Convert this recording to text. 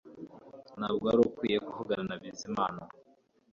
Ntabwo wari ukwiye kuvugana na Bizimana